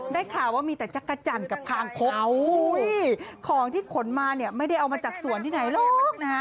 ได้ข่าวว่ามีแต่จักรจันทร์กับคางคกของที่ขนมาเนี่ยไม่ได้เอามาจากสวนที่ไหนหรอกนะฮะ